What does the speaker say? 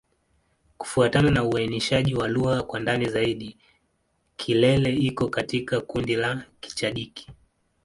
Kufuatana na uainishaji wa lugha kwa ndani zaidi, Kilele iko katika kundi la Kichadiki.